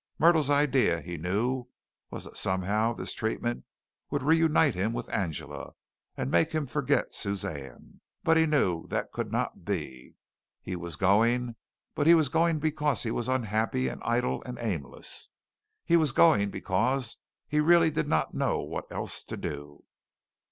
Myrtle's idea, he knew, was that somehow this treatment would reunite him and Angela and make him forget Suzanne, but he knew that could not be. He was going, but he was going because he was unhappy and idle and aimless. He was going because he really did not know what else to do.